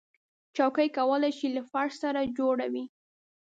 چوکۍ کولی شي له فرش سره جوړه وي.